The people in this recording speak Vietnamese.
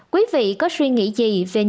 quý vị có suy nghĩ gì về những